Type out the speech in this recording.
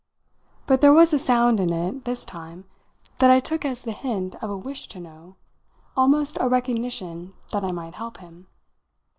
But there was a sound in it, this time, that I took as the hint of a wish to know almost a recognition that I might help him.